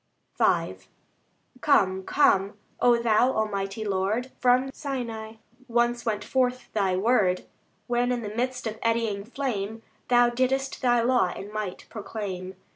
V Come, come, O Thou Almighty Lord! From Sinai once went forth Thy word, When in the midst of eddying flame, Thou didst Thy law in might proclaim.